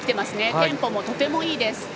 テンポもとてもいいです。